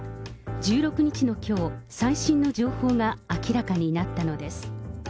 １６日のきょう、最新の情報が明らかになったのです。